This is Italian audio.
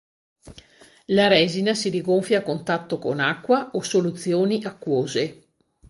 La resina si rigonfia a contatto con acqua o soluzioni acquose.